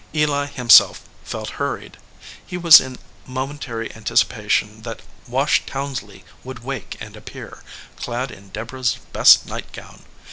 Eli himself felt hur ried. He was in momentary anticipation that Wash Townsley would wake and appear, clad in Deborah s best nightgown.